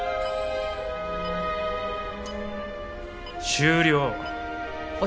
終了。